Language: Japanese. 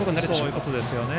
そういうことですよね。